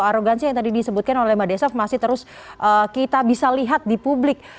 arogansi yang tadi disebutkan oleh mbak desaf masih terus kita bisa lihat di publik